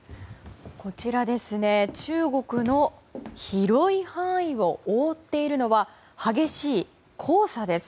こちら中国の広い範囲を覆っているのは激しい黄砂です。